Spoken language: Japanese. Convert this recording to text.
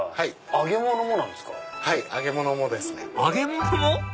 揚げ物も？